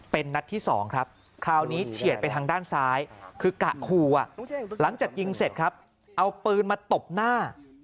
เป็นนัดที่๒ครับคราวนี้เฉียดไปทางด้านซ้ายคือกะขู่หลังจากยิงเสร็จครับเอาปืนมาตบหน้า